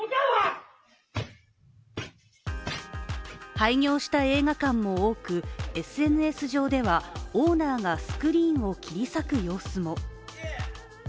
廃業した映画館も多くＳＮＳ上では、オーナーがスクリーンを切り裂く様子も。